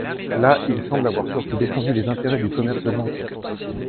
Là, il semble avoir surtout défendu les intérêts du commerce nantais.